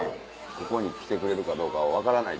ここに来てくれるかどうかは分からない。